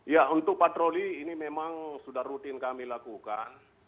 ya untuk patroli ini memang sudah rutin kami lakukan